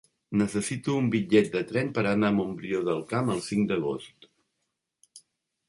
Necessito un bitllet de tren per anar a Montbrió del Camp el cinc d'agost.